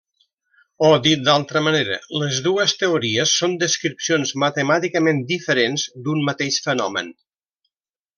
O dit d’altra manera, les dues teories són descripcions matemàticament diferents d’un mateix fenomen.